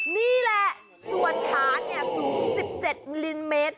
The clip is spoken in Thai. นี่แหละส่วนฐานสูง๑๗มิลลิเมตร